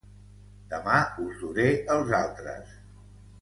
Demà us duré els altres.